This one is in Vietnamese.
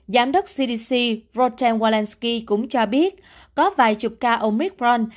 giám đốc cdc rodan walensky cũng cho biết có vài chục ca omicron